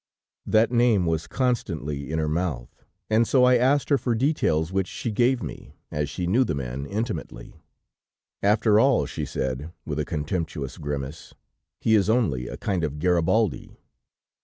"That name was constantly in her mouth, and so I asked her for details, which she gave me, as she knew the man intimately. "'After all,' she said, with a contemptuous grimace, 'he is only a kind of Garibaldi.'